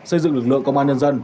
xây dựng lực lượng công an nhân dân